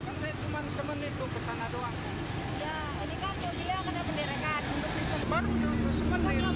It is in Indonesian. kan saya cuma semenit tuh ke sana doang